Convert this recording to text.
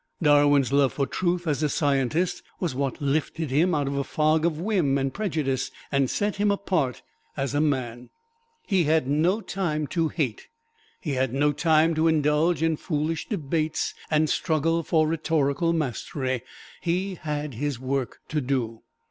Darwin's love for truth as a scientist was what lifted him out of the fog of whim and prejudice and set him apart as a man. He had no time to hate. He had no time to indulge in foolish debates and struggle for rhetorical mastery he had his work to do.